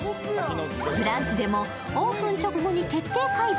「ブランチ」でもオープン直後に徹底解剖。